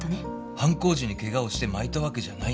犯行時にケガをして巻いたわけじゃないんだ。